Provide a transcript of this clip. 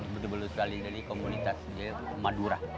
betul betul starling dari komunitas madura